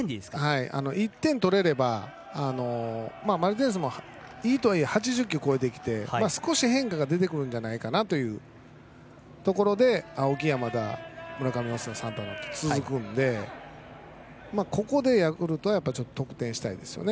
１点取れればマルティネスもいいとはいえ８０球を超えてきて少し変化が出てくるのではないかなというところで青木、山田、村上と続くのでここでヤクルトが得点したいですよね